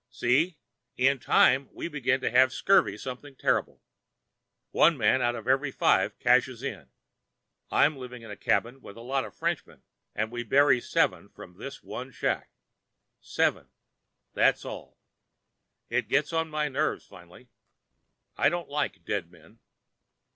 See! In time we begin to have scurvy something terrible. One man out of every five cashes in. I'm living in a cabin with a lot of Frenchmen and we bury seven from this one shack—seven, that's all! It gets on my nerves finally. I don't like dead men.